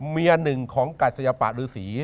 เมียหนึ่งของกัศยปะฤษี